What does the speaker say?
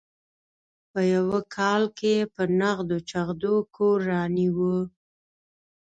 په یوه کال کې یې په نغدو چغدو کور رانیوه.